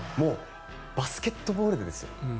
バスケットボールですよ。